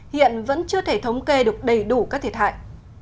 hiện vẫn chưa thể thống kê được đầy đủ các thiệt hại